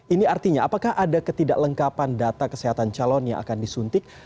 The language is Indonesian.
ini artinya apakah ada ketidaklengkapan data kesehatan calon yang akan disuntik